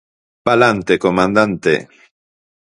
Palante, Comandante!